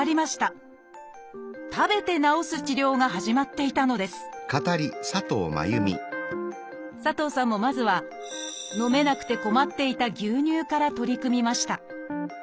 食べて治す治療が始まっていたのです佐藤さんもまずは飲めなくて困っていた牛乳から取り組みました。